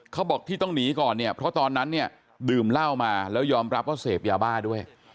เขาบอกที่ต้องหนีก่อนเนี่ยเพราะตอนนั้นเนี่ยดื่มเหล้ามาแล้วยอมรับว่าเสพยาบ้าด้วย